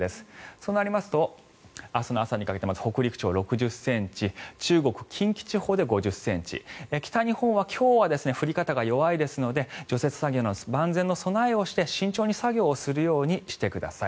そうなりますと明日の朝にかけて北陸地方６０ｃｍ中国、近畿地方で５０ｃｍ北日本は今日は降り方が弱いですので除雪作業など万全の備えをして慎重に作業をするようにしてください。